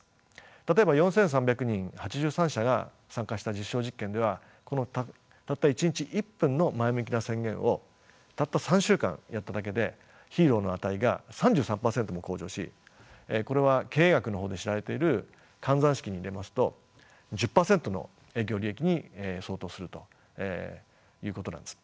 例えば４，３００人８３社が参加した実証実験ではこのたった１日１分の前向きな宣言をたった３週間やっただけでＨＥＲＯの値が３３％も向上しこれは経営学の方で知られている換算式に入れますと１０％の営業利益に相当するということなんです。